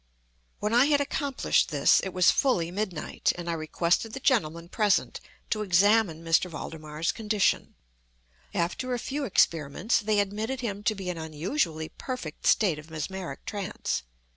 When I had accomplished this, it was fully midnight, and I requested the gentlemen present to examine M. Valdemar's condition. After a few experiments, they admitted him to be an unusually perfect state of mesmeric trance.